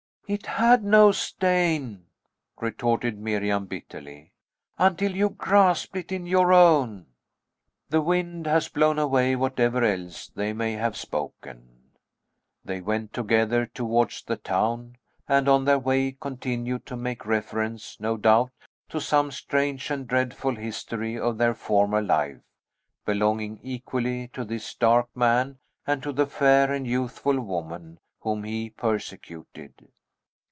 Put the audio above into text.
"It had no stain," retorted Miriam bitterly, "until you grasped it in your own." The wind has blown away whatever else they may have spoken. They went together towards the town, and, on their way, continued to make reference, no doubt, to some strange and dreadful history of their former life, belonging equally to this dark man and to the fair and youthful woman whom he persecuted.